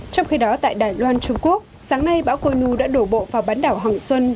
trong khi đó tại đài loan trung quốc sáng nay bão coi nu đã đổ bộ vào bán đảo hồng xuân